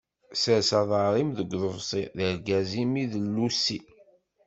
Sers aḍar-im deg uḍebṣi, d argaz-im i d llusi.